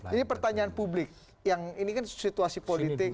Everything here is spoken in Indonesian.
ini pertanyaan publik yang ini kan situasi politik